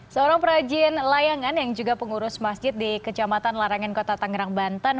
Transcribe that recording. seorang perajin layangan yang juga pengurus masjid di kecamatan larangan kota tangerang banten